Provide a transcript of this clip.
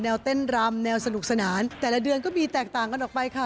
เต้นรำแนวสนุกสนานแต่ละเดือนก็มีแตกต่างกันออกไปค่ะ